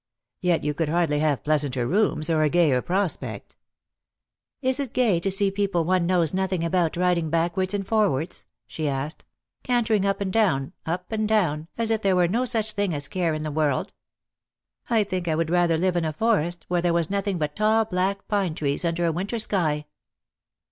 "Yet you could hardly have pleasanter rooms, or a gayer prospect." " Is it gay to see people one knows nothing about riding backwards and forwards? " she asked ; "cantering up and clown, up and down, as if there were no such thing as care in the world ? I think I would rather live in a forest, where there was nothing but tall black pine trees under a winter sky."